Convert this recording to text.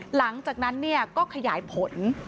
หลังจากนั้นเนี่ยก็ขยายผล